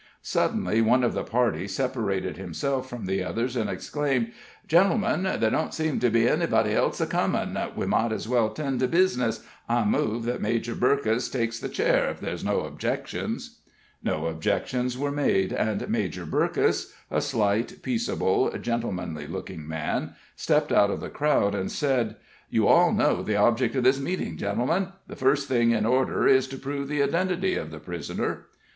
Suddenly one of the party separated himself from the others, and exclaimed: "Gentlemen, there don't seem to be anybody else a comin' we might as well 'tend to bizness. I move that Major Burkess takes the chair, if there's no objections." No objections were made, and Major Burkess a slight, peaceable, gentlemanly looking man stepped out of the crowd, and said: "You all know the object of this meeting, gentlemen. The first thing in order is to prove the identity of the prisoner."